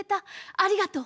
ありがとう。